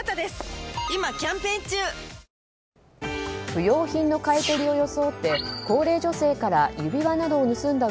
不用品の買い取りを装って高齢女性から指輪などを盗んだ